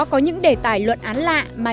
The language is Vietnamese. có những đề tài luận án lạ mà